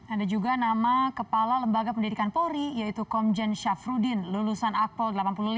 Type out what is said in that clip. ada juga nama kepala lembaga pendidikan polri yaitu komjen syafruddin lulusan akpol delapan puluh lima